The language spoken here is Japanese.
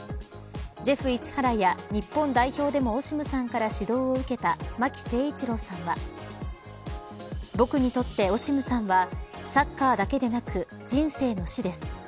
ジェフ市原や、日本代表でもオシムさんから指導を受けた巻誠一郎さんは僕にとってオシムさんはサッカーだけでなく人生の師です。